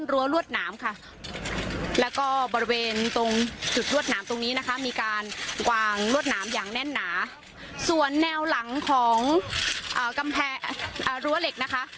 รวดหนามอย่างแน่นหนาส่วนแนวหลังของอ่ากำแพะอ่ารั้วเหล็กนะคะ